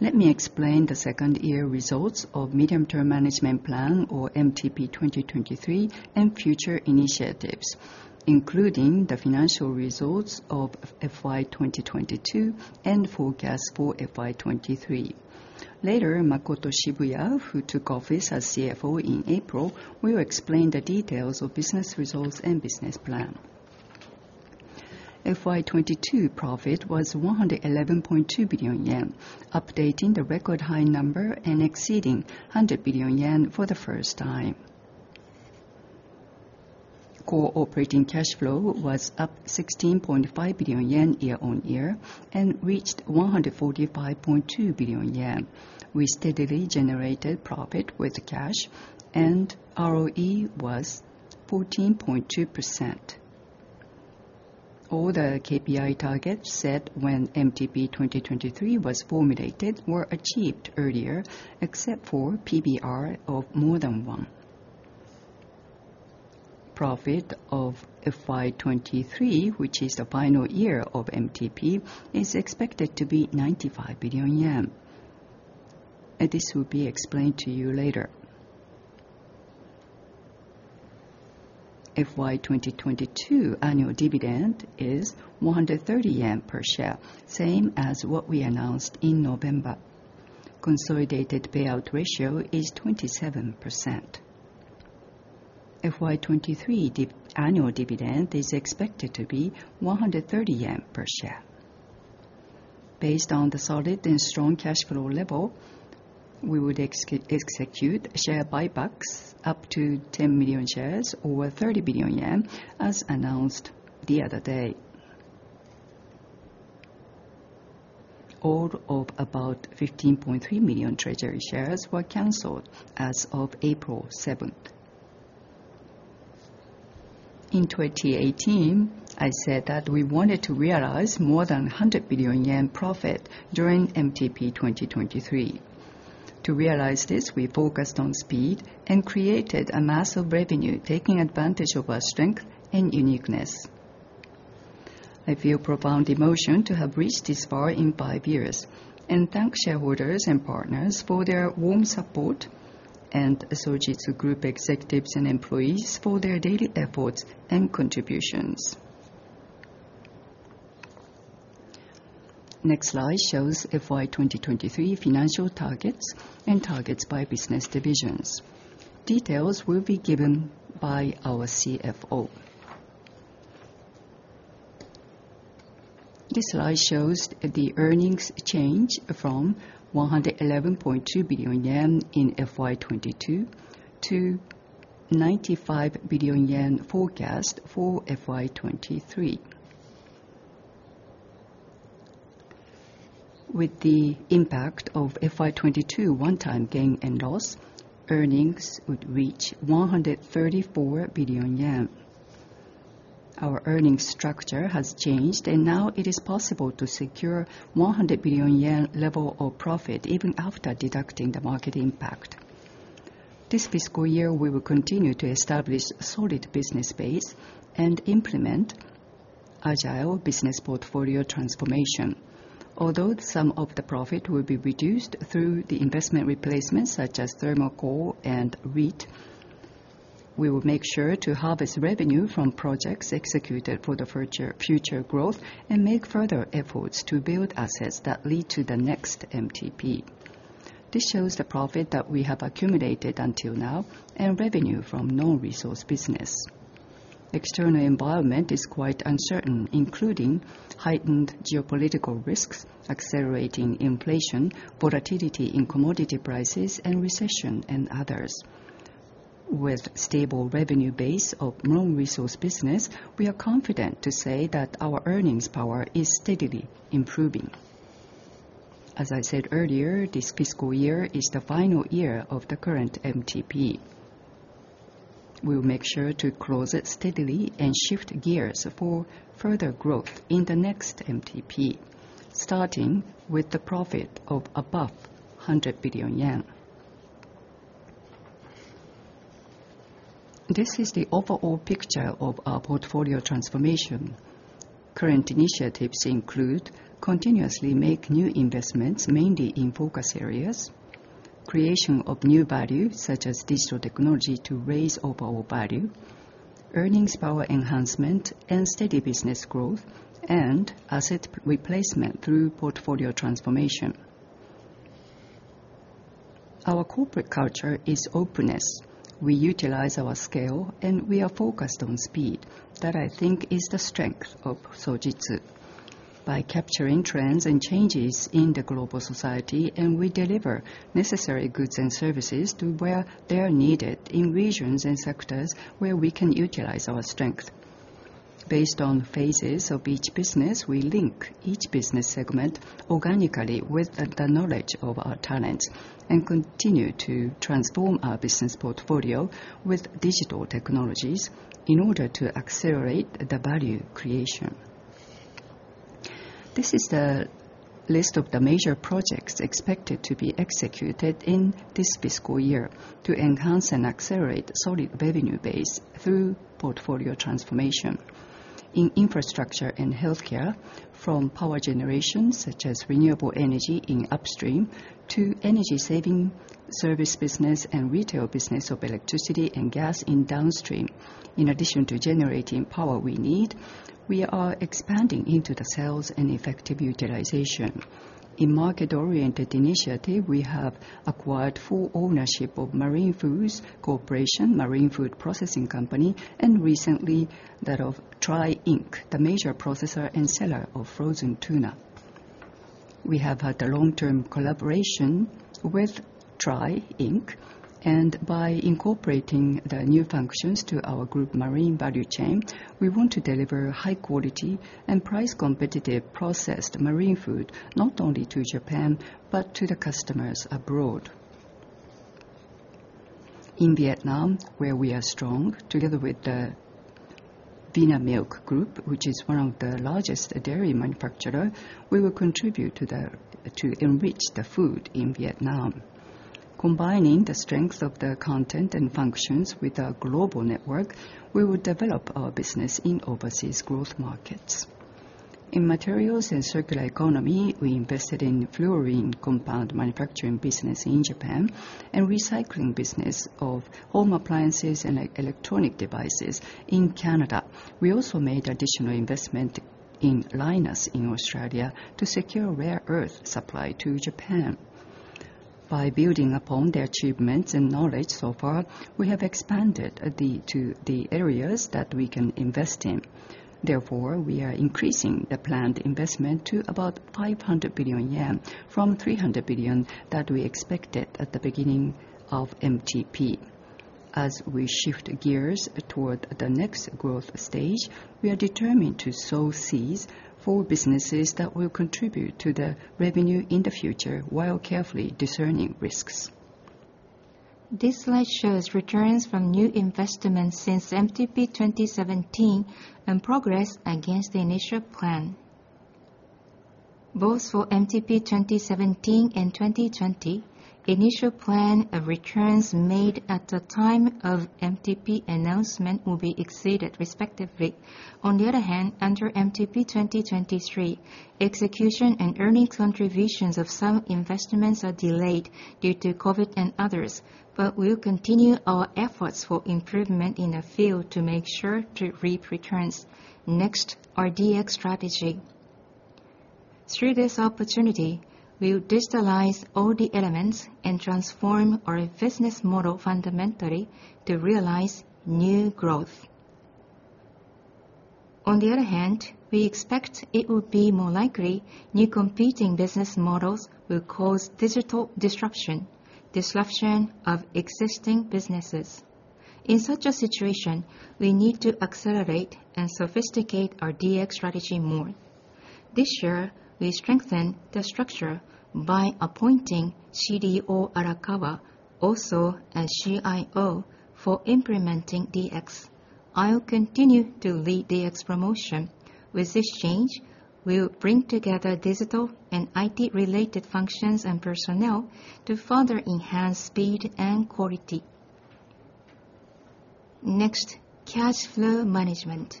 Let me explain the second year results of Medium-term Management Plan, or MTP 2023, and future initiatives, including the financial results of FY 2022 and forecast for FY 2023. Later, Makoto Shibuya, who took office as CFO in April, will explain the details of business results and business plan. FY 2022 profit was 111.2 billion yen, updating the record high number and exceeding 100 billion yen for the first time. Core operating cash flow was up 16.5 billion yen year-on-year and reached 145.2 billion yen. We steadily generated profit with cash, and ROE was 14.2%. All the KPI targets set when MTP 2023 was formulated were achieved earlier, except for PBR of more than one. Profit of FY 2023, which is the final year of MTP, is expected to be 95 billion yen. This will be explained to you later. FY 2022 annual dividend is 130 yen per share, same as what we announced in November. Consolidated payout ratio is 27%. FY 2023 annual dividend is expected to be 130 yen per share. Based on the solid and strong cash flow level, we would execute share buybacks up to 10 million shares, or 30 billion yen, as announced the other day. All of about 15.3 million treasury shares were canceled as of April seventh. In 2018, I said that we wanted to realize more than 100 billion yen profit during MTP2023. To realize this, we focused on speed and created a massive revenue, taking advantage of our strength and uniqueness. I feel profound emotion to have reached this far in five years, and thank shareholders and partners for their warm support and Sojitz Group executives and employees for their daily efforts and contributions. Next slide shows FY 2023 financial targets and targets by business divisions. Details will be given by our CFO. This slide shows the earnings change from 111.2 billion yen in FY 2022 to 95 billion yen forecast for FY 2023. With the impact of FY 2022 one-time gain and loss, earnings would reach 134 billion yen. Our earnings structure has changed, and now it is possible to secure 100 billion yen level of profit even after deducting the market impact. This fiscal year, we will continue to establish solid business base and implement agile business portfolio transformation. Although some of the profit will be reduced through the investment replacements such as Thermal Coal and REIT, we will make sure to harvest revenue from projects executed for the future growth and make further efforts to build assets that lead to the next MTP. This shows the profit that we have accumulated until now and revenue from non-resource business. External environment is quite uncertain, including heightened geopolitical risks, accelerating inflation, volatility in commodity prices, and recession, and others. With stable revenue base of non-resource business, we are confident to say that our earnings power is steadily improving. As I said earlier, this fiscal year is the final year of the current MTP. We'll make sure to close it steadily and shift gears for further growth in the next MTP, starting with the profit of above 100 billion yen. This is the overall picture of our portfolio transformation. Current initiatives include continuously make new investments, mainly in focus areas, creation of new value, such as digital technology to raise overall value, earnings power enhancement, and steady business growth, and asset replacement through portfolio transformation. Our corporate culture is openness. We utilize our scale, and we are focused on speed. That, I think, is the strength of Sojitz. By capturing trends and changes in the global society, and we deliver necessary goods and services to where they are needed in regions and sectors where we can utilize our strength. Based on phases of each business, we link each business segment organically with the knowledge of our talents and continue to transform our business portfolio with digital technologies in order to accelerate the value creation. This is the list of the major projects expected to be executed in this fiscal year to enhance and accelerate solid revenue base through portfolio transformation. In Infrastructure & Healthcare, from power generation, such as renewable energy in upstream, to energy-saving service business and retail business of electricity and gas in downstream. In addition to generating power we need, we are expanding into the sales and effective utilization. In market-oriented initiative, we have acquired full ownership of Marine Foods Corporation, marine food processing company, and recently that of TRY Inc., the major processor and seller of frozen tuna. We have had a long-term collaboration with TRY Inc. By incorporating the new functions to our group marine value chain, we want to deliver high quality and price competitive processed marine food, not only to Japan, but to the customers abroad. In Vietnam, where we are strong, together with the Vinamilk Group, which is one of the largest dairy manufacturer, we will contribute to enrich the food in Vietnam. Combining the strength of the content and functions with our global network, we will develop our business in overseas growth markets. In materials and circular economy, we invested in fluorine compound manufacturing business in Japan, and recycling business of home appliances and electronic devices in Canada. We also made additional investment in Lynas in Australia to secure rare earth supply to Japan. By building upon the achievements and knowledge so far, we have expanded to the areas that we can invest in. Therefore, we are increasing the planned investment to about 500 billion yen from 300 billion that we expected at the beginning of MTP. As we shift gears toward the next growth stage, we are determined to sow seeds for businesses that will contribute to the revenue in the future, while carefully discerning risks. This slide shows returns from new investments since MTP 2017 and progress against the initial plan. Both for MTP 2017 and 2020, initial plan of returns made at the time of MTP announcement will be exceeded respectively. Under MTP 2023, execution and earning contributions of some investments are delayed due to COVID and others. We'll continue our efforts for improvement in the field to make sure to reap returns. Our DX strategy. Through this opportunity, we'll digitalize all the elements and transform our business model fundamentally to realize new growth. We expect it will be more likely new competing business models will cause digital disruption of existing businesses. In such a situation, we need to accelerate and sophisticate our DX strategy more. This year, we strengthen the structure by appointing CDO Arakawa also as CIO for implementing DX. I'll continue to lead DX promotion. With this change, we'll bring together digital and IT related functions and personnel to further enhance speed and quality. Next, cash flow management.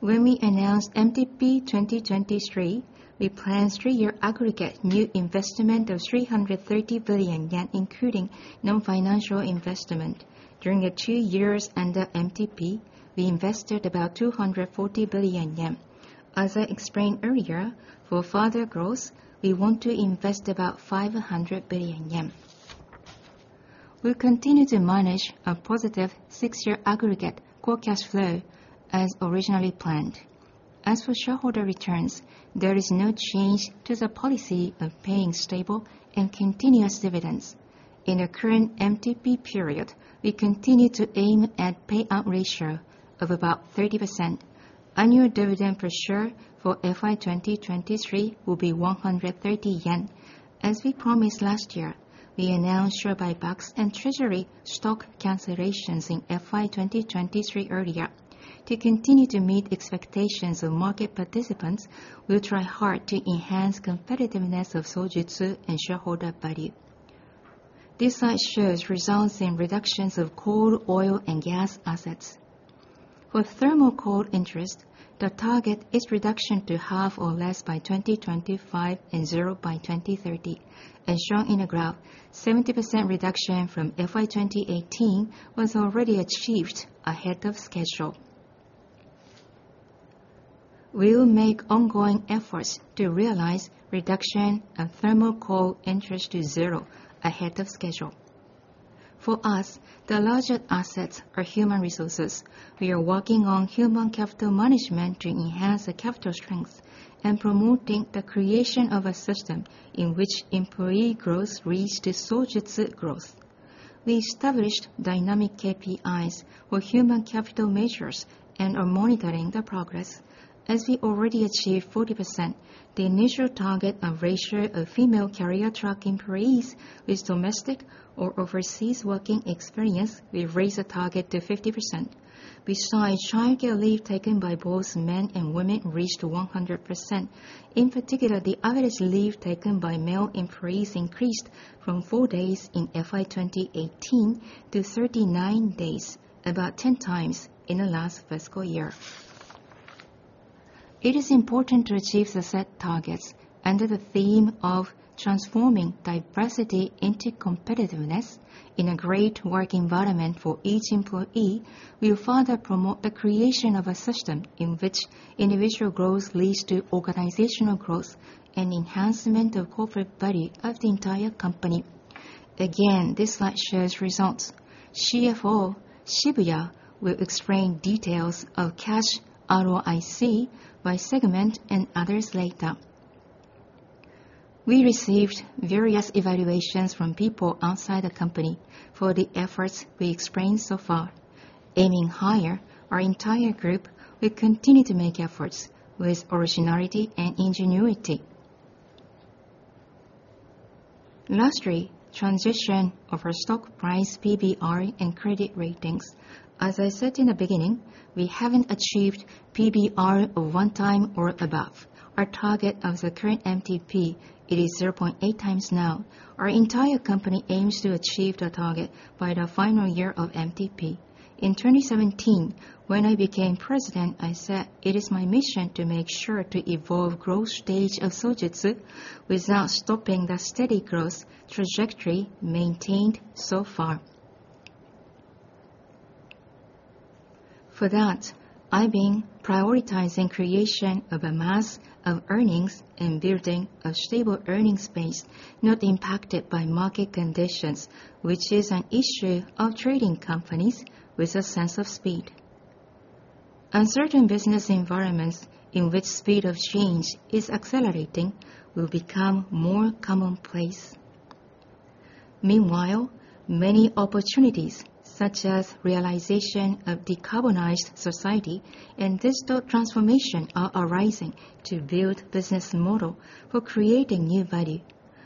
When we announced MTP 2023, we planned three-year aggregate new investment of 330 billion yen, including non-financial investment. During the two years under MTP, we invested about 240 billion yen. As I explained earlier, for further growth, we want to invest about 500 billion yen. We'll continue to manage a positive six-year aggregate Core cash flow as originally planned. As for shareholder returns, there is no change to the policy of paying stable and continuous dividends. In the current MTP period, we continue to aim at payout ratio of about 30%. Annual dividend per share for FY 2023 will be 130 yen. As we promised last year, we announced share buybacks and treasury stock cancellations in FY 2023 earlier. To continue to meet expectations of market participants, we'll try hard to enhance competitiveness of Sojitz and shareholder value. This slide shows results in reductions of coal, oil and gas assets. For thermal coal interest, the target is reduction to half or less by 2025 and zero by 2030. As shown in the graph, 70% reduction from FY 2018 was already achieved ahead of schedule. We will make ongoing efforts to realize reduction of thermal coal interest to zero ahead of schedule. For us, the largest assets are human resources. We are working on human capital management to enhance the capital strength and promoting the creation of a system in which employee growth leads to Sojitz growth. We established dynamic KPIs for human capital measures and are monitoring the progress. As we already achieved 40%, the initial target of ratio of female career track employees with domestic or overseas working experience, we raised the target to 50%. Besides, childcare leave taken by both men and women reached 100%. In particular, the average leave taken by male employees increased from four days in FY 2018 to 39 days, about 10x, in the last fiscal year. It is important to achieve the set targets. Under the theme of transforming diversity into competitiveness in a great work environment for each employee, we will further promote the creation of a system in which individual growth leads to organizational growth and enhancement of corporate value of the entire company. Again, this slide shows results. CFO Shibuya will explain details of cash ROIC by segment and others later. We received various evaluations from people outside the company for the efforts we explained so far. Aiming higher, our entire group will continue to make efforts with originality and ingenuity. Lastly, transition of our stock price PBR and credit ratings. As I said in the beginning, we haven't achieved PBR of 1x or above. Our target of the current MTP, it is 0.8x now. Our entire company aims to achieve the target by the final year of MTP. In 2017, when I became president, I said it is my mission to make sure to evolve growth stage of Sojitz without stopping the steady growth trajectory maintained so far. For that, I've been prioritizing creation of a mass of earnings and building a stable earnings base not impacted by market conditions, which is an issue of trading companies with a sense of speed. Uncertain business environments in which speed of change is accelerating will become more commonplace. Meanwhile, many opportunities, such as realization of decarbonized society and digital transformation, are arising to build business model for creating new value.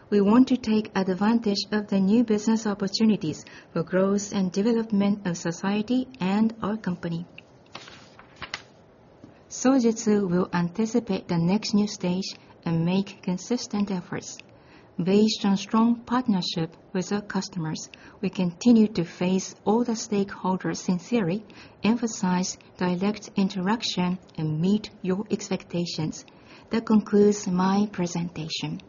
We want to take advantage of the new business opportunities for growth and development of society and our company. Sojitz will anticipate the next new stage and make consistent efforts. Based on strong partnership with our customers, we continue to face all the stakeholders sincerely, emphasize direct interaction, and meet your expectations. That concludes my presentation.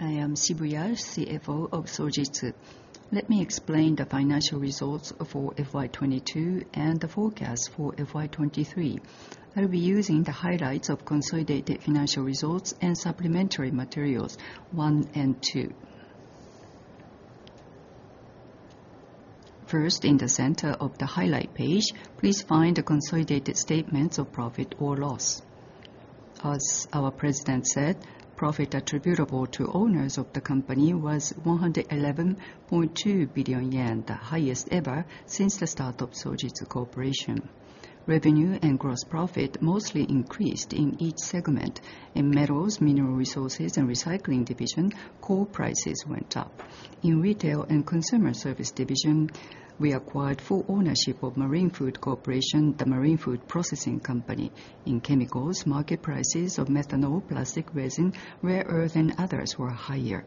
I am Shibuya, CFO of Sojitz. Let me explain the financial results for FY 2022 and the forecast for FY 2023. I'll be using the highlights of consolidated financial results and supplementary materials one and two. First, in the center of the highlight page, please find the consolidated statements of profit or loss. As our president said, profit attributable to owners of the company was 111.2 billion yen, the highest ever since the start of Sojitz Corporation. Revenue and gross profit mostly increased in each segment. In Metals, Mineral Resources & Recycling division, core prices went up. In Retail & Consumer Service division, we acquired full ownership of The Marine Foods Corporation, the marine food processing company. In Chemicals, market prices of methanol, plastic resin, rare earth, and others were higher.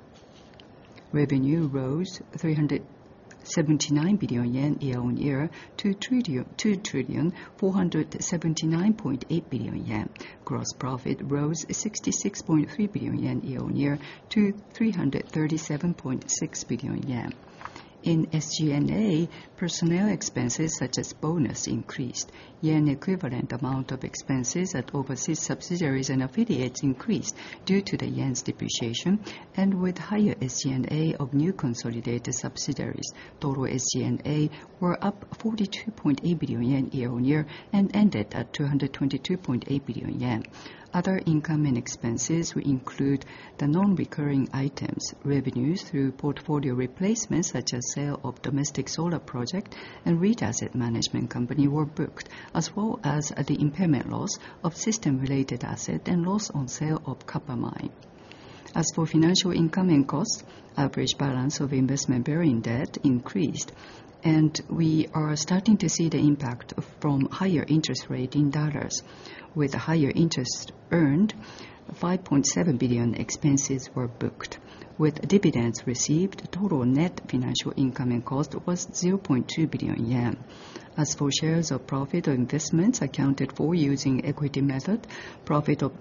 Revenue rose 379 billion yen year-on-year to 2,479.8 billion yen. Gross profit rose 66.3 billion yen year-on-year to 337.6 billion yen. In SG&A, personnel expenses, such as bonus, increased. Yen equivalent amount of expenses at overseas subsidiaries and affiliates increased due to the yen's depreciation and with higher SG&A of new consolidated subsidiaries. Total SG&A were up 42.8 billion yen year-on-year and ended at 222.8 billion yen. Other income and expenses will include the non-recurring items. Revenues through portfolio replacements, such as sale of domestic solar project and REIT asset management company were booked, as well as the impairment loss of system-related asset and loss on sale of copper mine. As for financial income and costs, average balance of investment bearing debt increased, and we are starting to see the impact from higher interest rate in dollars. With higher interest earned, 5.7 billion expenses were booked. With dividends received, total net financial income and cost was 0.2 billion yen. As for shares of profit or investments accounted for using equity method, profit of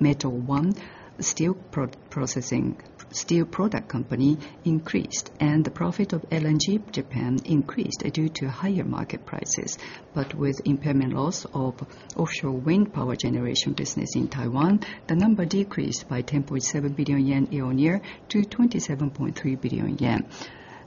Metal One, steel processing, steel product company increased. The profit of LNG Japan increased due to higher market prices. With impairment loss of offshore wind power generation business in Taiwan, the number decreased by 10.7 billion yen year-on-year to 27.3 billion yen.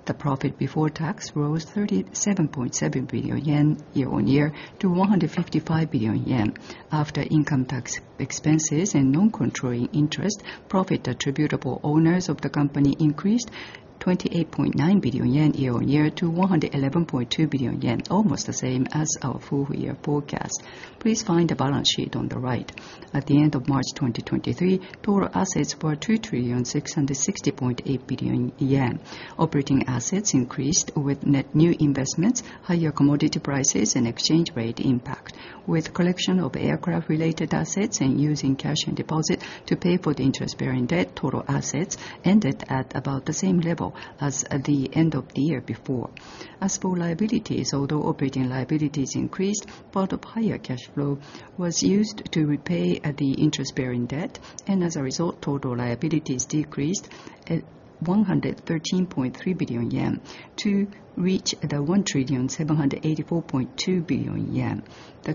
The profit before tax rose 37.7 billion yen year-on-year to 155 billion yen. After income tax expenses and non-controlling interest, profit attributable owners of the company increased 28.9 billion yen year-on-year to 111.2 billion yen, almost the same as our full year forecast. Please find the balance sheet on the right. At the end of March 2023, total assets were 2,660.8 billion yen. Operating assets increased with net new investments, higher commodity prices and exchange rate impact. With collection of aircraft related assets and using cash and deposit to pay for the interest-bearing debt, total assets ended at about the same level as at the end of the year before. As for liabilities, although operating liabilities increased, part of higher cash flow was used to repay the interest-bearing debt. As a result, total liabilities decreased at 113.3 billion yen to reach JPY 1,784.2 billion. The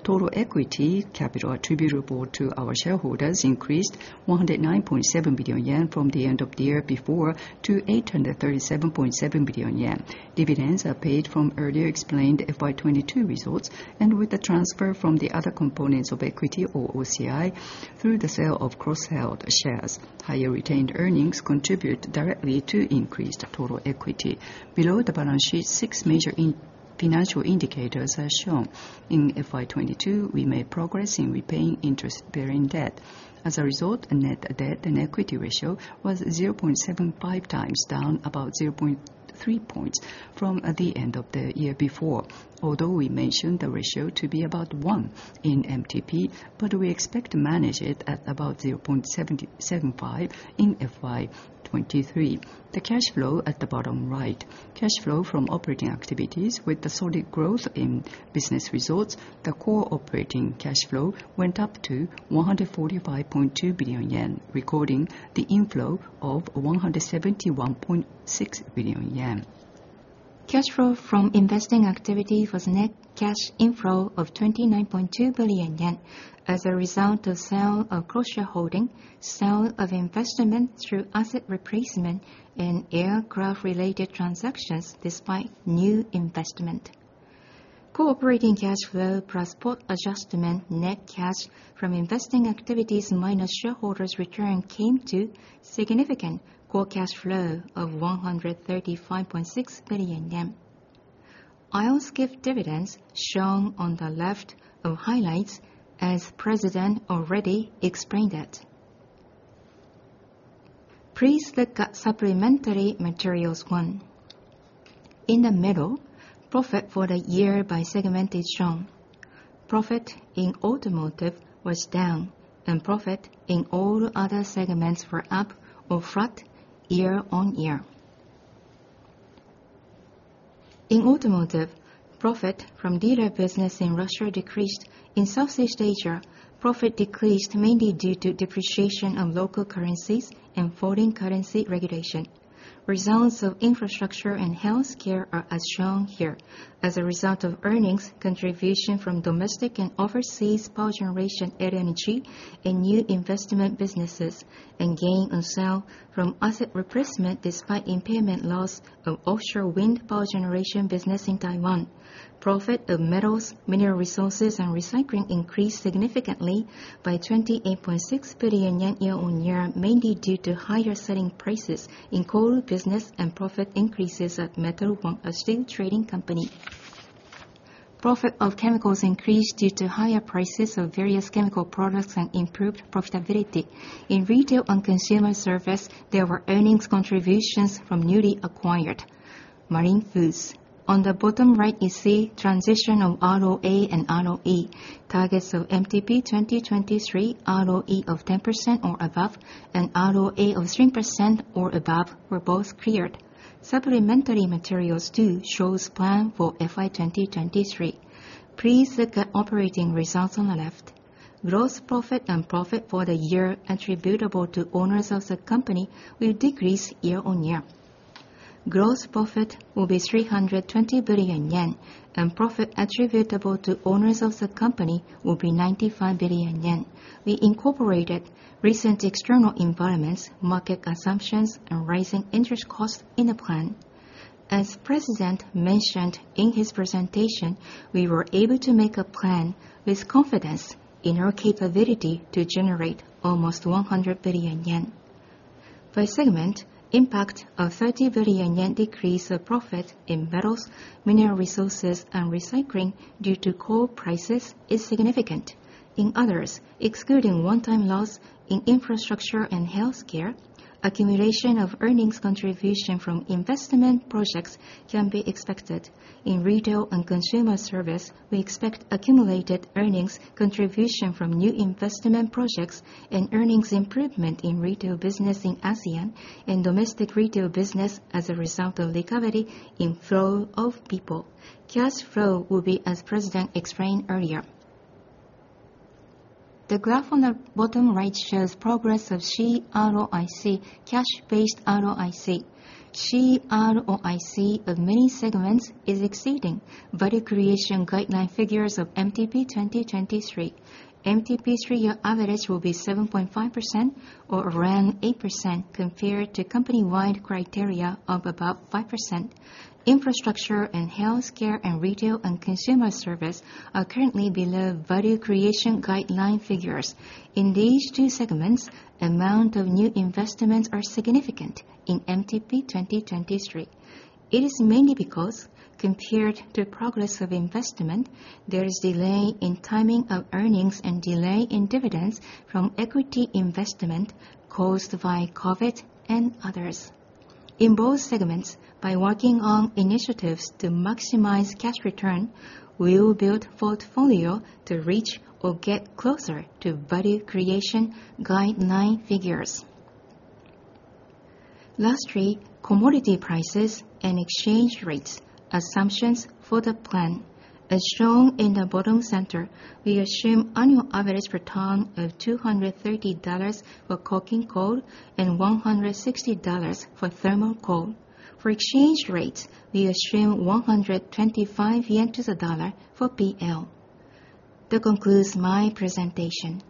total equity capital attributable to our shareholders increased 109.7 billion yen from the end of the year before to 837.7 billion yen. Dividends are paid from earlier explained FY 2022 results and with the transfer from the other components of equity or OCI through the sale of cross-held shares. Higher retained earnings contribute directly to increased total equity. Below the balance sheet, six major financial indicators are shown. In FY 2022, we made progress in repaying interest-bearing debt. As a result, a net debt-to-equity ratio was 0.7x down about 0.3 points from the end of the year before. Although we mentioned the ratio to be about one in MTP, but we expect to manage it at about 0.75 in FY 2023. The cash flow at the bottom right. Cash flow from operating activities with the solid growth in business results, the core operating cash flow went up to 145.2 billion yen, recording the inflow of 171.6 billion yen. Cash flow from investing activity was net cash inflow of 29.2 billion yen as a result of sale of cross-shareholding, sale of investment through asset replacement and aircraft related transactions despite new investment. Core operating cash flow plus spot adjustment, net cash from investing activities minus shareholders' return came to significant core cash flow of 135.6 billion yen. I'll skip dividends shown on the left of highlights, as President already explained it. Please look at supplementary materials one. In the middle, profit for the year by segment is shown. Profit in Automotive was down, and profit in all other segments were up or flat year-on-year. In Automotive, profit from dealer business in Russia decreased. In Southeast Asia, profit decreased mainly due to depreciation of local currencies and foreign currency regulation. Results of Infrastructure and Healthcare are as shown here. As a result of earnings, contribution from domestic and overseas power generation, LNG, and new investment businesses, and gain on sale from asset replacement despite impairment loss of offshore wind power generation business in Taiwan. Profit of Metals, Mineral Resources & Recycling increased significantly by 28.6 billion yen year-on-year, mainly due to higher selling prices in coal business and profit increases at Metal One, a steel trading company. Profit of Chemicals increased due to higher prices of various chemical products and improved profitability. In Retail & Consumer Service, there were earnings contributions from newly acquired Marine Foods. On the bottom right, you see transition of ROA and ROE. Targets of MTP 2023 ROE of 10% or above and ROA of 3% or above were both cleared. Supplementary materials two shows plan for FY 2023. Please look at operating results on the left. Gross profit and profit for the year attributable to owners of the company will decrease year-on-year. Gross profit will be 320 billion yen, profit attributable to owners of the company will be 95 billion yen. We incorporated recent external environments, market assumptions, and rising interest costs in the plan. As President mentioned in his presentation, we were able to make a plan with confidence in our capability to generate almost 100 billion yen. By segment, impact of 30 billion yen decrease of profit in Metals, Mineral Resources & Recycling due to coal prices is significant. In others, excluding one-time loss in Infrastructure & Healthcare, accumulation of earnings contribution from investment projects can be expected. In Retail & Consumer Service, we expect accumulated earnings contribution from new investment projects and earnings improvement in retail business in ASEAN and domestic retail business as a result of recovery in flow of people. Cash flow will be as president explained earlier. The graph on the bottom right shows progress of CROIC, cash-based ROIC. CROIC of many segments is exceeding value creation guideline figures of MTP 2023. MTP three-year average will be 7.5% or around 8% compared to company-wide criteria of about 5%. Infrastructure & Healthcare and Retail & Consumer Service are currently below value creation guideline figures. In these two segments, amount of new investments are significant in MTP 2023. It is mainly because compared to progress of investment, there is delay in timing of earnings and delay in dividends from equity investment caused by COVID and others. In both segments, by working on initiatives to maximize cash return, we will build portfolio to reach or get closer to value creation guideline figures. Lastly, commodity prices and exchange rates assumptions for the plan. As shown in the bottom center, we assume annual average per ton of $230 for coking coal and $160 for thermal coal. For exchange rates, we assume 125 yen to the dollar for P&L. That concludes my presentation.